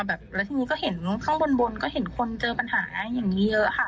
แล้วทีนี้ก็เห็นข้างบนบนก็เห็นคนเจอปัญหาอย่างนี้เยอะค่ะ